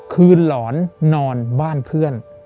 หลอนนอนบ้านเพื่อน